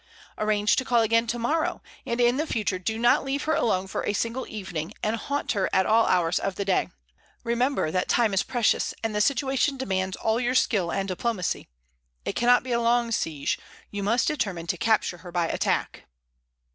Arrange to call again to morrow, and in the future do not leave her alone for a single evening, and haunt her at all hours of the day. Remember that time is precious, and the situation demands all your skill and diplomacy. It cannot be a long siege; you must determine to capture her by attack."